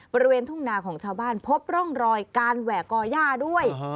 บริเวณทุ่งนาของชาวบ้านพบร่องรอยการแหวก่อย่าด้วย